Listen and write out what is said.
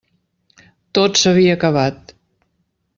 Tot s'havia acabat.